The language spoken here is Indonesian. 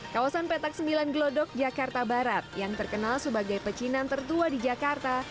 kawasan petak sembilan gelodok jakarta barat yang terkenal sebagai pecinan tertua di jakarta